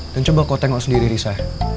dan coba kau tengok sendiri risa